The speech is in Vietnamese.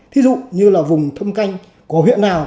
thí dụ như là vùng thâm canh của huyện nào